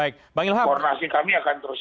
koordinasi kami akan terus